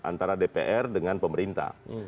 antara dpr dengan pemerintah